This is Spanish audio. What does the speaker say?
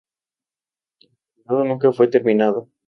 El traslado nunca fue terminado.